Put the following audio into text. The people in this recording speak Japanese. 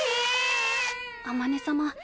あまね様